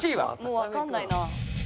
もうわかんないな。